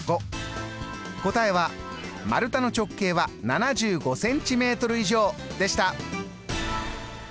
答えは丸太の直径は７５ｃｍ以上でした。